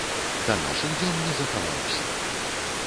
Да нашых дзён не захаваўся.